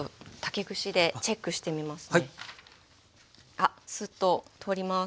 あっスッと通ります。